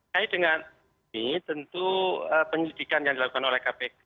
saya dengar ini tentu penyelidikan yang dilakukan oleh kpk